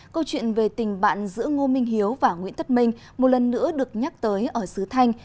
câu chuyện về tình bạn giữa ngô minh hiếu và nguyễn tất minh một lần nữa được nhắc tới ở sứ thanh